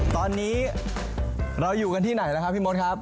ตอนนี้เราอยู่กันที่ไหนแล้วครับพี่มดครับ